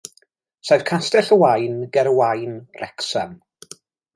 Saif Castell y Waun ger y Waun, Wrecsam.